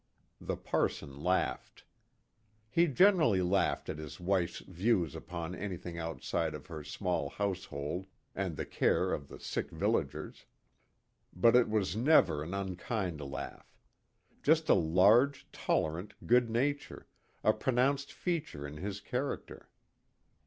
The parson laughed. He generally laughed at his wife's views upon anything outside of her small household and the care of the sick villagers. But it was never an unkind laugh. Just a large, tolerant good nature, a pronounced feature in his character.